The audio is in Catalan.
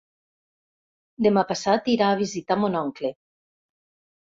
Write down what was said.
Demà passat irà a visitar mon oncle.